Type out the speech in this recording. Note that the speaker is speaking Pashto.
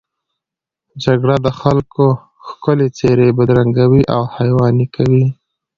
جګړه د خلکو ښکلې څېرې بدرنګوي او حیواني کوي